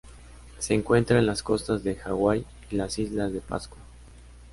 Se encuentra en las costas de Hawaii y las la Isla de Pascua.